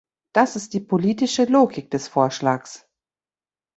Das ist die politische Logik des Vorschlags.